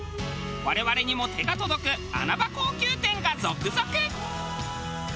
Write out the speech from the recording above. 我々にも手が届く穴場高級店が続々！